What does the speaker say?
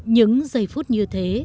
những giây phút như thế